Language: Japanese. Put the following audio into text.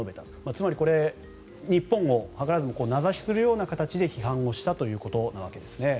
つまり、これは日本を図らずも名指しするような形で批判をしたということなわけですね。